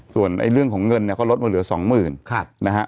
ส่วนเรื่องของเงินเนี่ยก็ลดมาเหลือสองหมื่นนะฮะ